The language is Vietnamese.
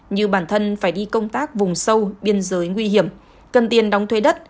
như bản thân phải đi công tác vùng sâu biên giới nguy hiểm cần tiền đóng thuế đất